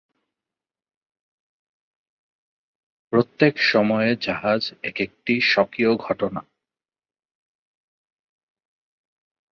প্রত্যাক-সময়ে-জাহাজ একেকটি স্বকীয় "ঘটনা"।